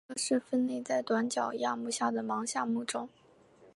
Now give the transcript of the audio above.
鹬虻科是分类在短角亚目下的虻下目中。